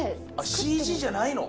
ＣＧじゃないの？